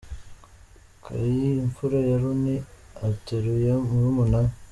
Kai, imfura ya Rooney ateruye murumuna we.